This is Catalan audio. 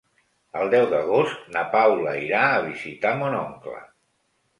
El deu d'agost na Paula irà a visitar mon oncle.